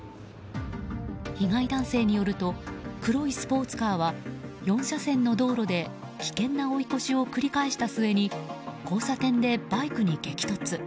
被害男性によると黒いスポーツカーは４車線の道路で危険な追い越しを繰り返した末に交差点でバイクに激突。